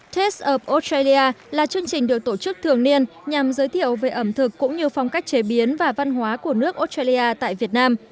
taste op australia là chương trình được tổ chức thường niên nhằm giới thiệu về ẩm thực cũng như phong cách chế biến và văn hóa của nước australia tại việt nam